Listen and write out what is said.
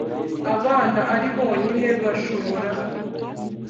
abana ari bonyine bashobora